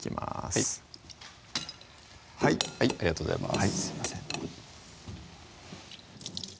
はいはいはいありがとうございます